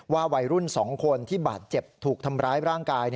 วัยรุ่น๒คนที่บาดเจ็บถูกทำร้ายร่างกาย